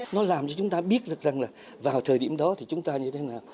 nó làm cho chúng ta biết được rằng là vào thời điểm đó thì chúng ta như thế nào